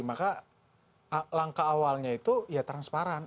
maka langkah awalnya itu ya transparan